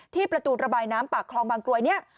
ประตูระบายน้ำปากคลองบางกรวยเนี่ย